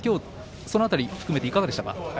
その辺り含めていかがでしたか？